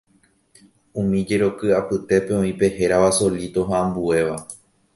Umi jeroky apytépe oĩ pe hérava “solíto” ha ambuéva.